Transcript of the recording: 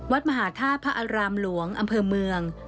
วัดมหาธาตุพระอารามหลวงอำเภอเมือง